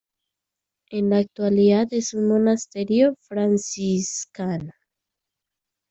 En la actualidad es un monasterio franciscano.